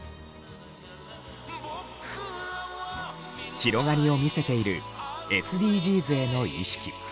広がりを見せているＳＤＧｓへの意識。